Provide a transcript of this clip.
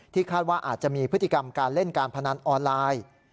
คาดว่าอาจจะมีพฤติกรรมการเล่นการพนันออนไลน์